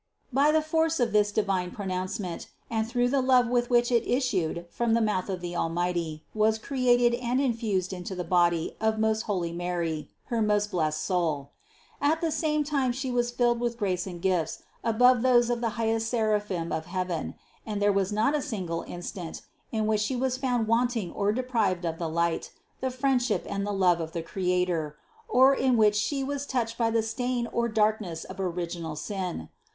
222. By the force of this divine pronouncement and through the love with which it issued from the mouth of Almighty, was created and infused into the body of most holy Mary her most blessed Soul At the same time She was filled with grace and gifts above those of the highest seraphim of heaven, and there was not a single instant in which She was found wanting or deprived of the light, the friendship and love of the Creator, or in which She was touched by the stain or darkness of original sin.